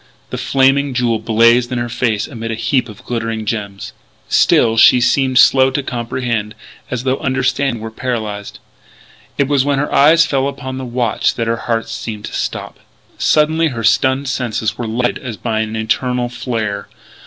The Flaming Jewel blazed in her face amid a heap of glittering gems. Still she seemed slow to comprehend as though understanding were paralysed. It was when her eyes fell upon the watch that her heart seemed to stop. Suddenly her stunned senses were lighted as by an infernal flare....